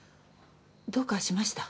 どうかしました？